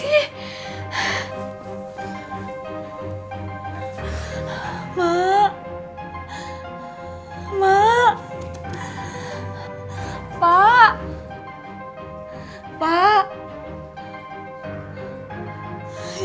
eh kamu sih dang